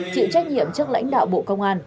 chịu trách nhiệm chức lãnh đạo bộ công an